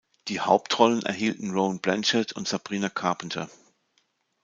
Die Hauptrollen erhielten Rowan Blanchard und Sabrina Carpenter.